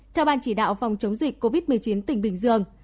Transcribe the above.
theo ban chỉ đạo phòng chống dịch covid một mươi chín tỉnh bình dương